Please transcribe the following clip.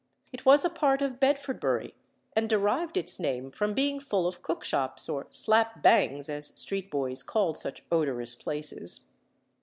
It was a part of Bedfordbury, and derived its name from being full of cookshops, or "slap bangs," as street boys called such odorous places.